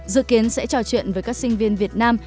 dự kiến sẽ trò chuyện với các sinh viên việt nam